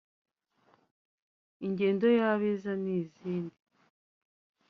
Ingendo y’abeza’ n’izindi